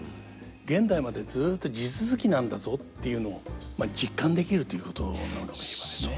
現代までずっと地続きなんだぞっていうのをまあ実感できるということなのかもしれませんね。